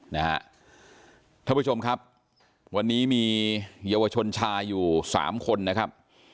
ท่านผู้ชมครับวันนี้มีเยาวชนชายอยู่สามคนนะครับ